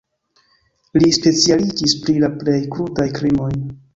Li specialiĝis pri la plej krudaj krimoj.